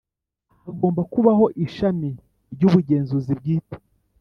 Hagomba kubaho ishami ryubugenzuzi bwite